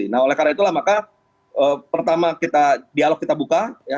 nah oleh karena itulah maka pertama dialog kita buka